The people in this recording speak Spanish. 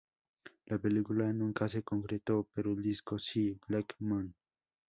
La película nunca se concretó, pero el disco sí: "Black Moon".